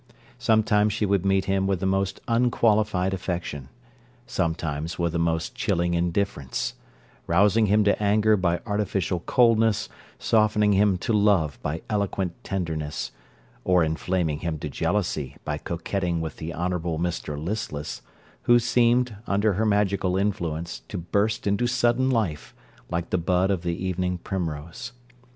Sometimes she would meet him with the most unqualified affection; sometimes with the most chilling indifference; rousing him to anger by artificial coldness softening him to love by eloquent tenderness or inflaming him to jealousy by coquetting with the Honourable Mr Listless, who seemed, under her magical influence, to burst into sudden life, like the bud of the evening primrose.